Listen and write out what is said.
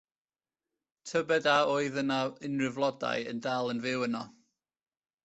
Tybed a oedd yna unrhyw flodau yn dal yn fyw yno.